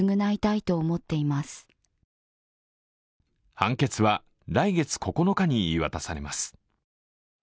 判決は来月９日に言い渡されます。